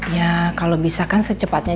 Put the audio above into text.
ya kalau bisa kan secepatnya